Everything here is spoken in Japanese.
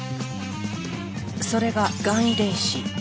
それががん遺伝子。